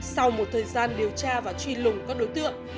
sau một thời gian điều tra và truy lùng các đối tượng